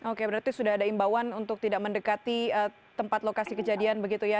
oke berarti sudah ada imbauan untuk tidak mendekati tempat lokasi kejadian begitu ya